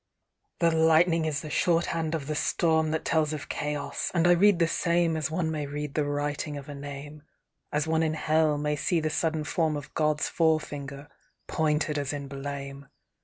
The lightning is the shorthand of the storm That tells of chaos; and I read the same As one may read the writing of a name, As one in Hell may see the sudden form Of God's fore finger pointed as in blame.